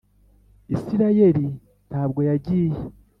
isirayeli ntabwo ya giye